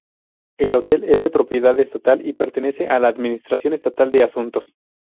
El hotel es de propiedad estatal y pertenece a la Administración Estatal de Asuntos.